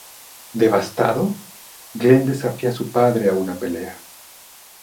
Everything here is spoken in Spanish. Devastado, Glen desafía a su padre a una pelea.